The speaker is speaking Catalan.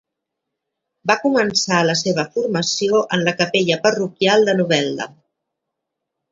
Va començar la seva formació en la capella parroquial de Novelda.